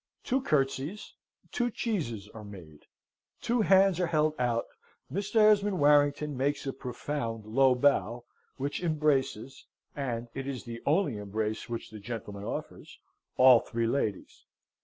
Two curtseys two cheeses are made two hands are held out. Mr. Esmond Warrington makes a profound low bow, which embraces (and it is the only embrace which the gentleman offers) all three ladies.